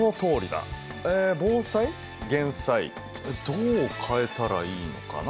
どう変えたらいいのかな？